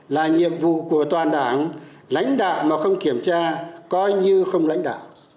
là nhiệm vụ của toàn đảng lãnh đạo mà không kiểm tra coi như không lãnh đạo